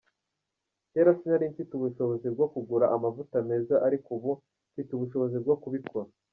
Kera sinari mfite ubushobozi bwo kugura amavuta meza ariko ubu mfite ubushobozi bwo kubikora.